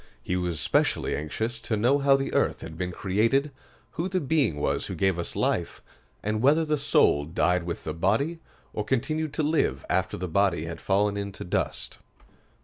He was specially anxious to know how the earth had been created, who the Being was who gave us life, and whether the soul died with the body, or continued to live after the body had fallen into dust.